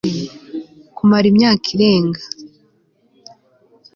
kumara imyaka irenga